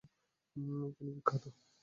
তিনি বিখ্যাত।